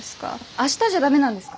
明日じゃ駄目なんですか？